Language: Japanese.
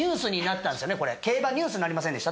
競馬ニュースになりませんでした？